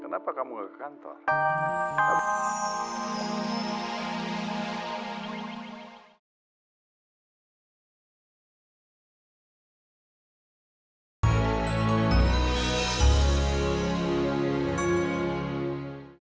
kenapa kamu ngekak antar